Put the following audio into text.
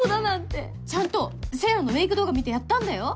ちゃんと聖衣良のメイク動画見てやったんだよ。